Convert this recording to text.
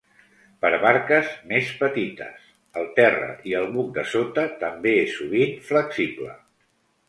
Per barques més petites, el terra i el buc de sota també és sovint flexible.